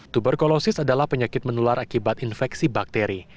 tuberkulosis adalah penyakit menular akibat infeksi bakteri